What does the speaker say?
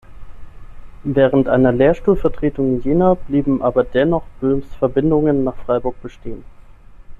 Während einer Lehrstuhlvertretung in Jena blieben aber dennoch Böhms Verbindungen nach Freiburg bestehen.